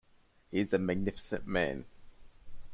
He's a magnificent man.